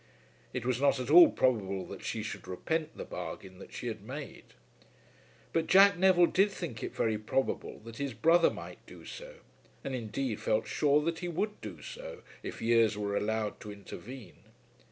It was not at all probable that she should repent the bargain that she had made. But Jack Neville did think it very probable that his brother might do so; and, indeed, felt sure that he would do so if years were allowed to intervene.